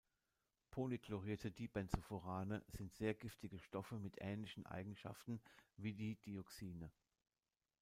Polychlorierte Dibenzofurane sind sehr giftige Stoffe mit ähnlichen Eigenschaften wie die Dioxine.